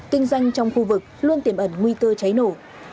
kinh doanh trong khu vực luôn tiềm ẩn nguy cơ cháy nổ